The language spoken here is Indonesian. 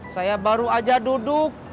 saya baru aja duduk